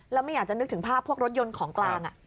แล้วไม่อยากจะนึกถึงภาพพวกรถยนต์ของกลาง